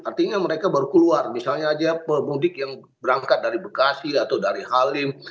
artinya mereka baru keluar misalnya aja pemudik yang berangkat dari bekasi atau dari halim